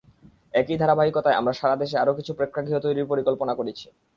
একই ধারাবাহিকতায় আমরা সারা দেশে আরও কিছু প্রেক্ষাগৃহ তৈরির পরিকল্পনা করেছি।